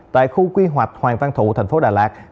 tại khu quy hoạch hoàng văn thụ thành phố đà lạt